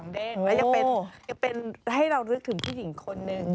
๒เด้งแล้วยังเป็นให้เรารึกถึงพี่หญิงคนหนึ่ง